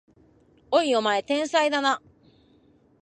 おい、お前天才だな！